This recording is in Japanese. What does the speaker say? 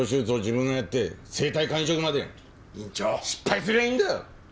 失敗すりゃいいんだよ。